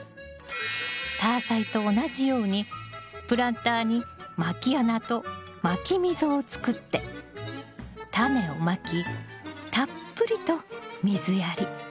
タアサイと同じようにプランターにまき穴とまき溝を作ってタネをまきたっぷりと水やり。